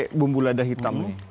ini bumbu lada hitam nih